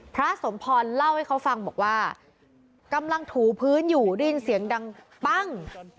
พระสมพรเล่าให้เขาฟังบอกว่ากำลังถูพื้นอยู่ได้ยินเสียงดังปั้ง